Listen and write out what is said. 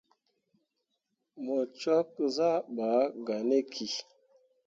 Mo cwakke zah ɓaa gah ne ki.